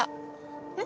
えっ？